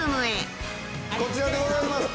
こちらでございます。